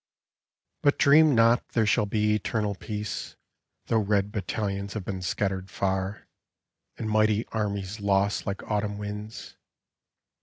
But dream not there shall be eternal Peace, Though red battalions have been scattered far, And mighty armies lost like Autumn mnds.